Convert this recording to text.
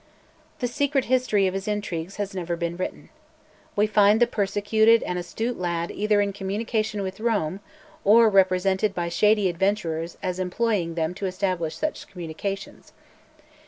The secret history of his intrigues has never been written. We find the persecuted and astute lad either in communication with Rome, or represented by shady adventurers as employing them to establish such communications.